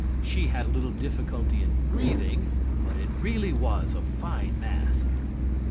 She had a little difficulty in breathing, but it really was a fine mask.